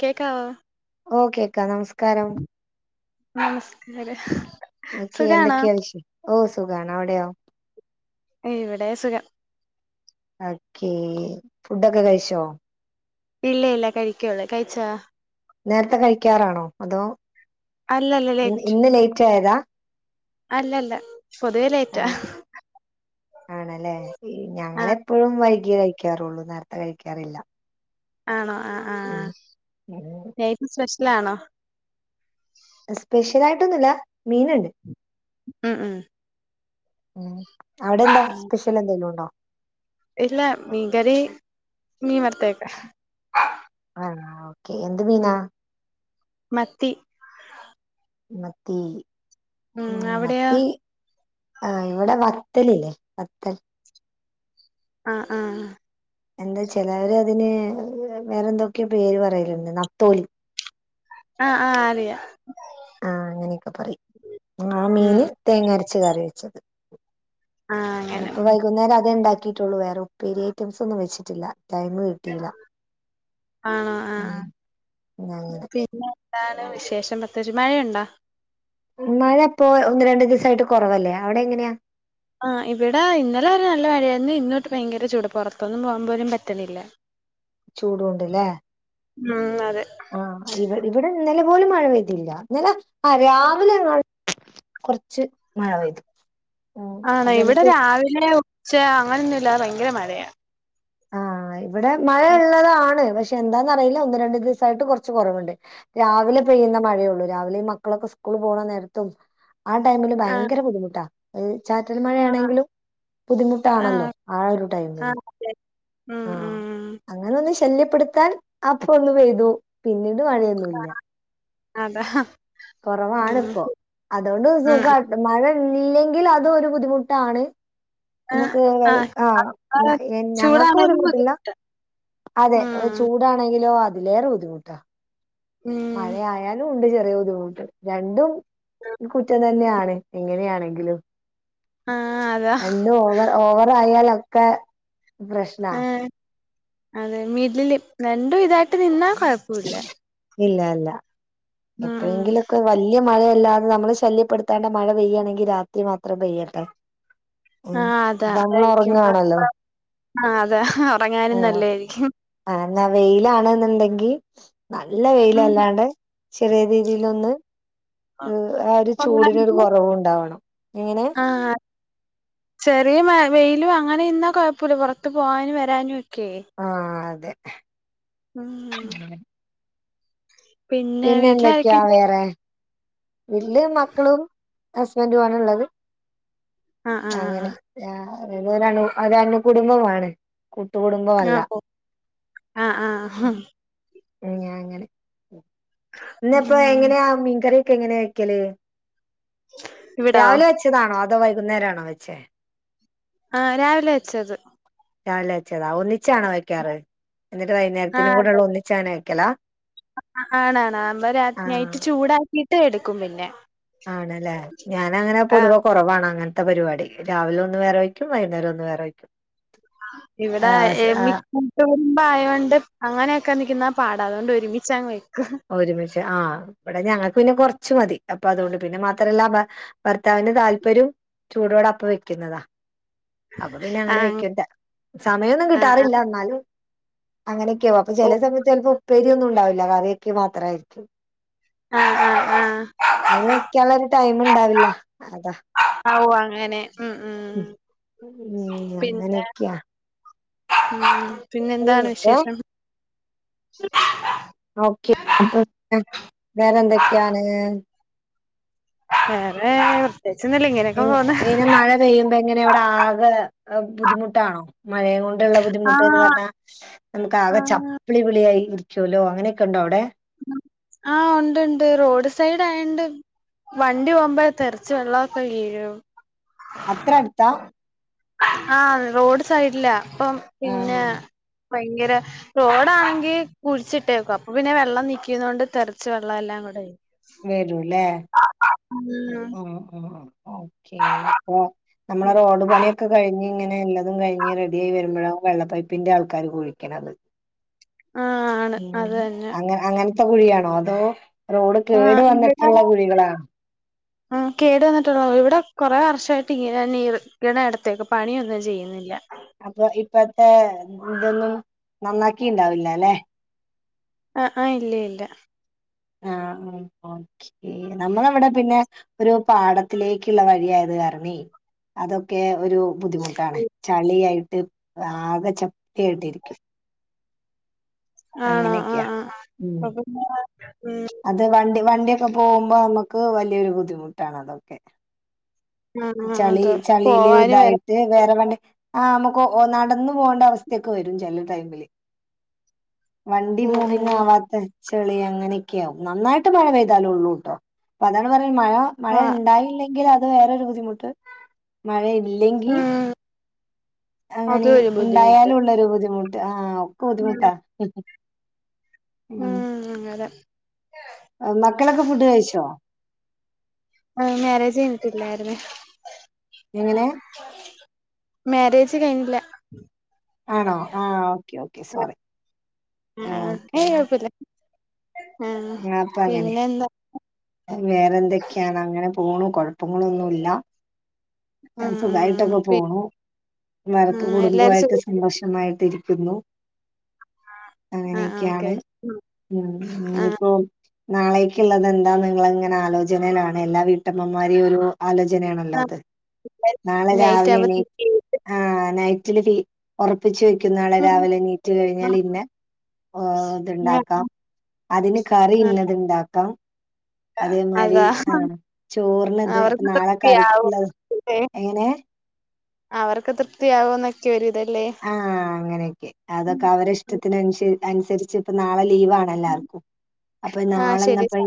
കേക്കാവോ ഓക്കേ ക്ക നമസ്കാരം നമസ്കാരം ന്നോക്കി സുഖാണോ എന്തൊക്കെയാ വിശ ഓ സുഖാണ് അവിടെയോ ഇവിടേം സുഖം ഓക്കേ ഫുഡോക്കെ കഴിച്ചോ ഇല്ല ഇല്ല കഴിക്കെയൊള്ളു കഴിച്ചോ നേരത്തെ കഴിക്കാറാണോ അതോ അല്ലല്ല ലേറ്റ് ഇന്ന് ലേറ്റ് ആയതാ അല്ലല്ല പൊതുവെ ലേറ്റാ അല്ല ആണല്ലേ ആ ഞങ്ങൾ എപ്പോഴും വൈകിയേ കഴിക്കാറുള്ളു നേരത്തെ കഴിക്കാറില്ല ആ ആ മ്മ് മ്മ് ലാണോ സ്പെഷ്യൽ ആയിട്ടൊന്നുല്ല മീനൊണ്ട് മ്മ് മ്മ് മ്മ് അവിടെ എന്താ സ്പെഷ്യൽ എന്തെങ്കിലുമുണ്ടോ? ഇല്ല മീൻ കറി മീൻ വറുത്തതൊക്കെ ആ എന്ത് മീനാ? മത്തി. മത്തി ഉം മ്മ് അവിടെയോ മത്തി ഇവടെ വ പതലില്ലേ പത്തൽ. ആ ആ എന്താച്ചാല് അവര് അതിന് വേറെ എന്തെക്കെയോ പേര് പറയുന്നുണ്ട് നത്തോലി. ആ ആ അറിയാം. ആ അങ്ങനെയൊക്കെ പറയും ആ ഉം മീന് തേങ്ങ അര ച്ച് കറി വെച്ചത്. ആ അങ്ങനെ ഇനിയിപ്പോ ഉം വൈകുന്നേരം അത് ഇണ്ടാക്കി. ട്ടുള്ളു വേറെ ഉപ്പേരി ഐറ്റംസ് ഒന്നും വെച്ചിട്ടില്ല. ടൈം കിട്ടിയില്ല. ആണോ ആ ആ പിന്നെ എന്താണ് വിശേഷം പ്രത്യേകിച്ച് മഴയുണ്ടോ? മഴ ഇപ്പൊ ഒന്നുരണ്ട് ദിവസായിട്ട് കുറവല്ലേ അവിടെങ്ങനെയാ ആ ഇവിടെ ഇന്നലെ വരെ നല്ല മഴയായിരുന്നു ഇന്ന് തൊട്ട് ഭയങ്കര ചൂടാ പുറത്തൊന്നും പോകാൻ പോലും പറ്റണില്ല. ചൂടോണ്ട് ലേ. മ്മ് അ ആഹ് ഇവി ഇവിടെ ഇന്നലെ പോലും മഴ പെയ്തില്ല. ഇന്നലെ ആഹ് രാവിലെങ്ങാനും കൊർച്ച് മഴ പെയ്തു. ഉം ആണോ അത് ഇവടെ നമുക്ക് രാവിലെ ച്ച അങ്ങനൊന്നുല്ല ഭയങ്കര മഴ. ആഹ് ഇവടെ മഴ ഇ ള്ളതാണ് പഷേ എന്താന്നാറീലഒന്ന് രണ്ട് ദിവസായിട്ട് കൊർച്ച് കൊറവ്ണ്ട്. രാവിലെ പെയ്യ്ന്ന മഴോള്ളു രാവിലെ ഈ മക്കളൊക്കെ സ്കൂൾ പോണ നേരത്തും. ആ ടൈമില് ആഹ് ഭയങ്കര ബുദ്ധിമുട്ടാ. ചാറ്റൽ ആഹ് മഴയാണങ്കിലും ബുദ്ധിമുട്ടാണല്ലോ ആഹ് ആ ഒരു ടൈമില്. ആഹ് അതെ ഉം ആഹ് ഉം അങ്ങനെ. ശല്യപ്പെട്ത്താൻ അപോ ഒന്ന് പെയ്തു പിന്നിം മഴെന്നുല്ല. അതാ ഉം കൊറവാണ് ഇപം അതോണ്ട് ഉം സുഖ മഴ ഇല്ലങ്കിൽ അത് ഒരു ബുദ്ധിമുട്ടാണ്. ആഹ് നമ്മക്ക് ആഹ് അത്ര ഞങ്ങക്ക് ബുദ്ധിമുട്ട് ഇല്ല അതേ ഉം ചൂടാണങ്കിലും അതിലേറെ ബുദ്ധിമുട്ടാ. മഴ ഉം ആയാലും ഇണ്ട് [unintelligible] രണ്ടും കുറ്റം തന്നെയാണ് എങ്ങനെ ആണങ്കിലും ആഹ് അതാ രണ്ടും ഓവറ ഓവറായാല് ക്കാ പ്രശ്നാ അതേ മിഡ്ല് രണ്ടും ഇതായിട്ട് നിന്നാ ഒരു കൊയ്പും ഇല്ല ഇല്ല ഇല്ല എപ്പഴെങ്കിലും ഒക്കെ വല്യ മഴയില്ലാതെ നമ്മളെ ശല്യ പെട്ത്തണ്ട മഴ പെയ്യാണങ്കി രാത്രി മാത്രം പെയ്യട്ടെ ഉം ആഹ് അതാ അപ്പൊ നമ്മള് അതായിരിക്കും ഉറങ്ങാണല്ലോ അതാ ഉറങ്ങാനും നല്ലായിരിക്കും ആഹ് എന്നാ വെയ്ല് ആണ് എന്ന് ണ്ടങ്കിൽ നല്ല ഉം വെയിലല്ലാണ്ട് ചെറീയ രീതീല് ഒന്ന് ആഹ് ചൂടിനാരു കൊറവുണ്ടാകണം എങ്ങനെ ആഹ് ചെറിയ മഴ വെയിലും അങ്ങനെ നിന്നാ കൊഴപ്പുല്ല പൊറത്ത് പോവാനും വരാനും ക്കെ ആ അതെ ഉം ഹും പിന്നെന്തക്കാ വേറെ വീട്ടില് മക്കളും ഹസ്ബൻ്റു ആണ് ഇള്ളത് ആഹ് ആഹ് അങ്ങനെ രാ അങ്ങനെ രണു ഒരണു കുടുംബമാണ് കൂട്ടുകുടുംബമല്ല ആഹ് ഓ ആ ആ ആഹ് പിന്നയാങ്ങനെ ന്ന് പ്പോ ഉം എങ്ങനാ മീൻ കറി ക്കെങ്ങനാ വെക്കല് ഇവിടോ രാവിലെ വെച്ചതാണോ അതോ വൈകീ കുന്നേരാ ണോ വെച്ചെ ആ രാവിലെ വെച്ചത് രാവിലെ വച്ചതാവുലേ ച്ചാണോ വക്കാറ് എന്നിട്ട് വൈനേരത്തിനു കൂടുള്ള ഒന്നിച്ചാണോ വൈക്കല ആണ് ആണ് അമ്മ രാ ആഹ് നൈറ്റ് ചൂടാ കീട്ട് എടുക്കും പിന്നെ ആണല്ലേ ഞാനങ്ങനെ ആഹ് പൊതുവേ കൊറവാണ് അങ്ങനെ ത്തെ പരിപാടി രാവിലെ ഒന്ന് വേറെ വയ്ക്കും വൈനേരം ഒന്ന് വേറെ വയ്ക്കും ഇവിടെ എമി കൂട്ടു കുടുംബം ആയോട്ട് അങ്ങനൊക്കെ നിക്കുന്നെ പാടാ അതോണ്ട് ഒരുമി ച്ചങ്ങ് വയ് ഒരുമിച്ച് ആ ബടെ ഞങ്ങക്ക് പിന്നെ കൊറച്ച് മതി അപ്പോ അതോണ്ട് പിന്നെ മാത്രല്ല ഭർ ഭർത്താവിൻ്റെ താൽപര്യവും ചൂടോടെ അപ്പ വെക്കുന്നതാ അപ്പ പിന്നെ അങ്ങനെ ആഹ് വക്കുന്നതാ സമയം ഒന്നും ആഹ് ആഹ് കിട്ടാറില്ല ന്നാലും അങ്ങനിം ക്കാവും അപ്പോ ഓ ചെലസമയത്ത് എൽപ്പോ ഉപ്പേരി ഒന്നും ഉണ്ടാവില്ല കറിക്കെ മാത്രായിരിക്കും ആഹ് ആഹ് ആഹ് അയിനിക്കാള്ളരു ടൈമ് ഇണ്ടാവില്ല അതാ ആ ഓ അങ്ങനെ ഉം ഉം ഉം പിന്നെ അങ്ങനേക്കയ [unintelligible] പിന്നെന്താണ് വിശേഷം [unintelligible] ഓക്കെ [unintelligible] വേറ എന്തൊക്കെയാണ് വേറേ എങ്ങ്യാ ഏന മഴ പെയ്യുമ്പേയെങ്ങന അവിടെ ആക ആവ് പുതിമുട്ടാണോ മയേ ടുള്ള ബുദ്ധിമുട്ട് എന്നു ആഹ് പറഞ്ഞാ നമുക്ക് ആകെ ആഹ് ചപ്ലിവിളിയായി ച്ചുലോ അങ്ങനക്ക ഉണ്ടോയവിടെ ആ ഉണ്ട് ഉണ്ട് റേഡ് സൈഡായണ്ട് വണ്ടി പോവമ്പേത്തെറിച്ച് വെള്ളോക്കെ വീഴും അത്ര അടുത്താ ആ റോഡ് സൈഡ്ലാ പ്പം ആ പിന്നേ മൈയ്ങ്കര റോഡാണെങ്കി കുഴിച്ചിട്ടേക്കുവാ അപ്പം പിന്നെ വെള്ളം നിക്കുന്നോണ്ട് തെറിച്ച് വെള്ളയെല്ലാം കൊണ്ട് വര് വരൂല്ലേ ഉം ഓ ഓ ഓക്കെ നമ്മള റോഡ് പണിയൊക്കെ കഴിഞ്ഞ് ങ്ങനെയുള്ളതും കഴിഞ്ഞ് റെഡിയായി വരുമ്പഴാ വെള്ള പൈപ്പിൻ്റെ ആൾക്കാര് കുഴിക്കണത് ആഹ് ആണ് അത് തന്നെ അങ്ങ് അങ്ങൻ ത്ത കുഴിയാണോ അതോ റോഡ് കേടുവന്നിട്ടുള്ള കുഴികളാ ആ കേടുവന്നിട്ടുള്ള ഇവിട കെറേ വർഷായിട്ട് യിങ്ങന തന്നെയീർ ഇങ്ങന എടത്തേക്ക് പണിയൊന്നും ചെയ്യുന്നില്ല അപ്പോ ഇപ്പത്തേ ഇടുന്നും നന്നാക്കിയിണ്ടാവില്ലല്ലേ അ അ ഇല്ലയില്ല ആ ഈ നമ്മളവിട പിന്നെ ഒരു പാടത്തിലേക്കുള്ള വഴിയായത് കാരണേ അതൊക്കെ ഒരു ബുദ്ധിമുട്ടാണേ ചളിയായി ത് ആകചം ക്കേട്ടിരിക്കും ആ ആ ആ ആ ഉം [unintelligible] ഉം അത് വണ്ടി വണ്ടിയൊക്കെ പോവുമ്പം പ്പോ വലിയൊരു ബുദ്ധിമുട്ടാണതൊക്കെ ആ ആ ചളി അതെ ചളീല് പോവാന് വരാ ഇതായിട്ട് വേറെ വണ്ടി ആപ്പം കൊ ഓ നടന്നു പോണ്ട അവസ്‌തേക്കവരും ചെല ടൈമില് വണ്ടി ഉം ഉം മൂവിങ്ങ് ഉം ആവാത്തെ ചെളിയങ്ങനൊക്കെയാ നന്നായിട്ട് മഴ പെയ്താലോള്ളൂട്ടോ [unintelligible] മഴ ആ മഴണ്ടായില്ലെ [unintelligible] മുട്ട് മഴയ് ല്ലങ്കി ഉം അതും അങ്ങനെയും ഒരു ബുദ്ധിമുട്ട് ണ്ടായാലുള്ളൊരു ബുദ്ധിമു ആ ക്ക ബുദ്ധിമുട്ടാ ആ ഉം അതെ മക്കളൊക്കെ ഫുഡ്‌ കഴിച്ചോ ആ മാരേജ് കഴിഞ്ഞിട്ട്ല്ലാര്ന്ന് എങ്ങനെ മാര്യേജ് കഴിഞ്ഞില്ല ആണോ ആ ഒക്കെ ഒക്കെ സോറി ഒക്കെ മ് പിന്നെന്താ വേറെന്തെക്കെയാണങ്ങനെ പോണു കൊഴപ്പങ്ങളൊന്നുല്ല ഉം ഉം സുഖായിട്ടൊക്കെ പി പോണു ഉം [unintelligible] എല്ലാരും സുഖ കുടുംബായിട്ട് സന്തോഷമായിട്ടിരി ക്കുന്നു ആ ആ ഓക്കെ അങ്ങനെയൊക്കെയാണ് ഉം ആ ഇഞ്ഞിപ്പം നാളേക്ക്ള്ളത് എന്താന്ന് ഇങ്ങള്ങ്ങനെ ആലോചനേലാണ് എല്ലാ വീട്ടമ്മമാരെയൊരു ആലോചനയാണല്ലോ ആ അത് നാളെ നൈറ്റ് രാവിലെ എണീ ആവുമ്പോ തിരിച്ച് ആഹ് നൈറ്റില് തീ ഒറപ്പിച്ച് വെക്ക് ക്കും നാളെ ഉം രാവിലെ എനീറ്റ് ആ കഴിഞ്ഞാല് ഇന്ന ഓ ഇത്ണ്ടാക്കാം അതിന് ആ കറിയിന്നത്ണ്ടാക്കാം. അതേ മാരി അതാ ആഹ് ചോറ്നിത് അപ്പ അവർക്കൊക്കെ നാളെ ഫ്രീ ആവും കറിക്ക്ള്ളത് ഏ എങ്ങനെ അവർക്ക് തൃപ്തി ആവോന്നെക്കൊര് ആഹ് അങ്ങനെയൊക്കെ അതൊക്കെ അവരെഷ്ട ത്ത്നൻഷര് അൻസര്ച്ച്പ്പൊ നാളെ ലീവാണെല്ലാർക്കും അപ്പൊ ആഹ് നാളെ ശരി ന്നപ്പോ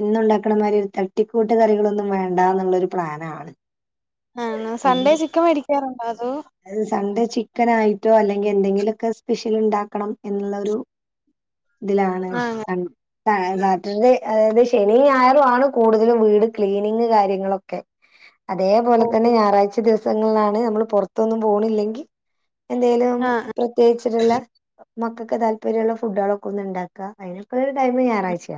എന്നുണ്ടാ ക്കണ മാരി ഒര് തട്ടി കൂട്ടി കറികളൊന്നും വേണ്ടാന്ന്ള്ളൊരു പ്ലാനാണ് ആഹ് സൺ‌ഡേ ചിക്കൻ വേടിക്കാറ് അത്‌ സൺ‌ഡേ ചിക്കാനാ തിലാണ് ആഹ് കൺ ആഹ് നാട്ടില് അതായത് ശനിയും ഞായറും ആണ് കൂടുതലും വീട് ക്ലീനിങ് കാര്യങ്ങളൊക്കെ അതേപോലെ തന്നെ ഞായറാഴ്ച ദിവസ് സങ്ങളിലാണ് നമ്മള് പുറ ഇപ്പൊ ഒന്നും പോണില്ലെങ്കി എന്തേലും ആഹ് പ്രത്യേകിച്ചിട്ടൊള്ള മക്കൾക്ക് താല്പര്യമുള്ള ഫുഡുകളൊക്കെ ഒന്ന് ഉണ്ടാക്കാ അതിനൊക്കുള്ള ഒരു ടൈമ് ഞായറാഴ്ചയ.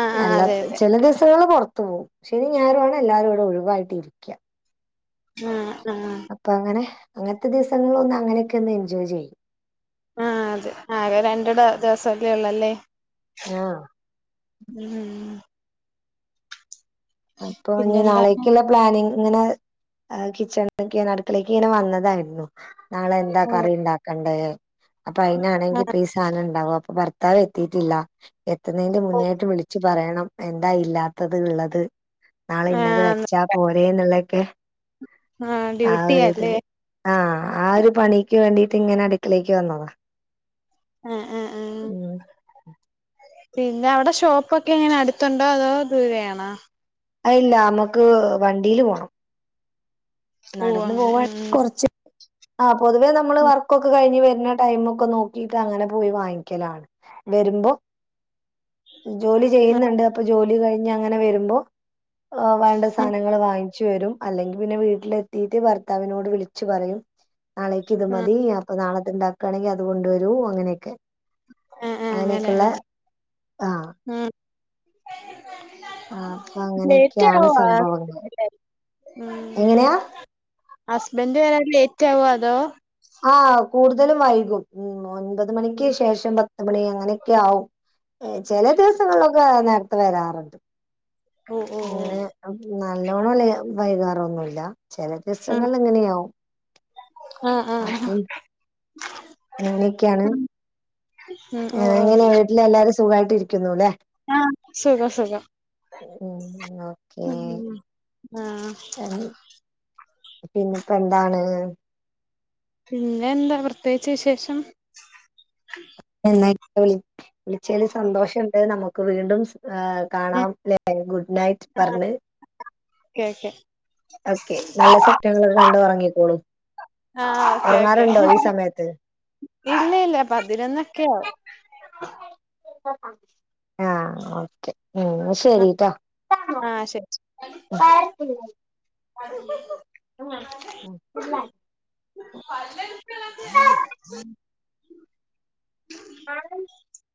ആഹ് ആഹ് എല്ലാ അതെ അതെ ചില ദിവസങ്ങൾ പുറത്ത്. പോവും ശനി ഞായറുവാണ് എല്ലാവരും ഇവിടെ ഒഴിവായിട്ടിരിക്ക്യ. ആഹ് ആഹ്. അങ്ങനത്തെ ദിവസങ്ങളൊന്ന് അങ്ങനെയൊക്കെ ഒന്ന് എൻജോയ് ചെയ്യും. ആഹ് അതെ ആകെ രണ്ട് ട ദിവസല്ലേ ഒള്ളല്ലേ. ആഹ് ഉം അപ്പൊ ഇഞ്ഞ് പിന്നെന്താണ് നാളേക്കിള്ള പ്ലാനിങ് ഇങ്ങനെ കിച്ചണിലേക്ക് അടുക്കിളേക്ക് ഇങ്ങനെ വന്നതായിരുന്നു. നാളെ എന്താ കറി ആഹ് ഉണ്ടാക്കണ്ടേ. [inaudible] അപ്പ അയിനാണെങ്കിപ്പ ഈ സാനണ്ടാവൊ അപ്പൊ ഭർത്താവ് എത്തീട്ടില്ല എത്തുന്നെയ്ന്റെ മുന്നായിട്ട് വിളിച്ച് പറയണം എന്താ ഇല്ലാത്തത് ഉള്ളത്. നാളെ ഇന്നത് വെച്ചാ പോരേന്ന്ള്ളൊക്കെ ആഹ് ആ ഒരു ഡ്യൂട്ടിയാല്ലേ ഇതില് ആ ആ ഒര് പണീക്ക് വേണ്ടീട്ട് ഇങ്ങനെ അട് ക്കെളേക്ക് വന്നതാ. ആഹ് ആഹ് ആഹ് ഉം. പിന്നെ അവിടെ ഷോപ്പൊക്കെ എങ്ങനെ അടുത്തുണ്ടോ അതോ ദൂരെയാണോ? അയില്ല അമ്മക്ക് വണ്ടീല് പോണം. ഓഹ് നടന്നു അങ്ങനെ പോവാണെ ഉം കൊറച്ച്. ആ പൊതുവേ നമ്മള് ഉം വർക്കൊക്കെ കഴിഞ്ഞ് വെര്ണ ടൈമൊക്കെ നോക്കിയിട്ട് അങ്ങനെ പോയി വാങ്ങിക്കലാണ്. വെരുമ്പ ജോലി ആഹ് ചെയ്യുന്നുണ്ട് അപ്പൊ ജോലി കഴി ഇനി അങ്ങനെ വരുമ്പോ. ആഹ് വേണ്ട സാനങ്ങള് വാങ്ങിക്കും. ചേരും അല്ലെങ്കി പിന്നെ വീ ട്ടിലെത്തീട്ട് ഭർത്താവിനോട് വിളിച്ചു പറയും. നാളെക്ക് ഇത് മതി അപ്പൊ നാളെ. ണ്ടാക്കാണെങ്കി അത് കൊണ്ട് വരൂ അങ്ങനെയൊക്കെ ആഹ് ആഹ് അങ്ങനെ അങ്ങനെയൊക്കൊള്ള ആഹ് ആഹ് ഉം ആഹ് അപ്പൊ ലേറ്റ് അങ്ങനെയൊക്കെയാണ് ആവുമോ സംഭവങ്ങൾ എങ്ങനെയാ ഹസ്ബന്റ് വരാൻ ലേറ്റ് ലേറ്റ് ആവുമോ അതോ ആഹ് കൂടുതലും വൈകും ഒമ്പത് മണിക്ക് ശേഷം പത്ത് മണി അങ്ങനെയൊക്കെ ആകും ചില ദിവസങ്ങളിലൊക്കെ നേരത്തെ വരാറുണ്ട് ഓ ഓ ഓ അങ്ങനെ [unintelligible] നല്ലവണ്ണം വൈകാറൊന്നും ഇല്ല ചില ഉം ദിവസങ്ങളിൽ അങ്ങനെ ആകും ആഹ് ആഹ് അപ്പോം അങ്ങനെയൊക്കെയാണ് ആഹ് ആഹ് ഓ സുഖവായിട്ടിരിക്കുന്നു അല്ലേ ആ സുഖം സുഖം ഉം ഓക്കേ ആഹ് [unintelligible] പിന്നെക്ക് എന്താണ് പിന്നെന്താ പ്രത്യേകിച്ച് വിശേഷം [unintelligible] ഉം ചില സന്തോഷമുണ്ട് നമുക്ക് വീണ്ടും ഉം കാണാം ല്ലേ ഗുഡ് നൈറ്റ് ആ പറഞ്ഞ് [unintelligible] ഓകെ നല്ല സ്വപ്നങ്ങൾ ഒക്കെ കണ്ട് ഉറങ്ങിക്കോളൂ ആഹ് ഓക്കെ ഓക്കെ ഉറങ്ങാറുല്ലോ ഈ സമയത്ത് ഇല്ല ഇല്ല പതിനൊന്നൊക്കെ ആവും [unintelligible] [unintelligible] ആ ഓകെ എന്നാ ശരി ആഹ് ശരി കെട്ടോ [unintelligible] [unintelligible] [unintelligible] [unintelligible]